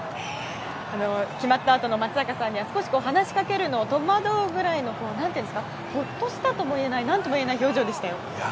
決まったあとの松坂さんには少し話しかけるのを戸惑うぐらいのほっとしたともいえない何とも言えない表情でしたね。